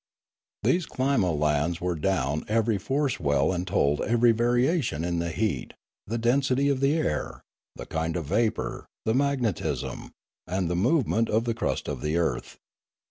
These climolans were down every force well and told every variation in the heat, the density of the air, the kind of vapour, the magnetism, and the movement of 98 Limanora the crust of the earth.